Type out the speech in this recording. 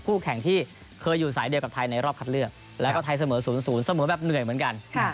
แข่งที่เคยอยู่สายเดียวกับไทยในรอบคัดเลือกแล้วก็ไทยเสมอ๐๐เสมอแบบเหนื่อยเหมือนกัน